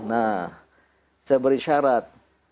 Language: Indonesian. saya beri syarat